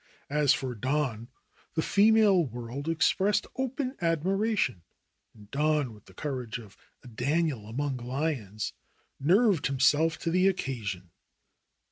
As for Don, the female world expressed open admiration. And Don, with the courage of a Daniel among lions, nerved himself to the occasion.